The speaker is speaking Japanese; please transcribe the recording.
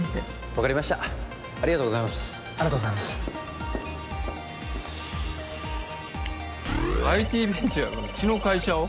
分かりましたありがとうございますありがとうございますＩＴベンチャーがうちの会社を？